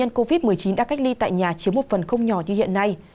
bệnh nhân covid một mươi chín đã cách ly tại nhà chiếm một phần không nhỏ như hiện nay